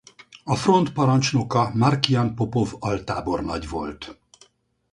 A front parancsnoka Markian Popov altábornagy volt.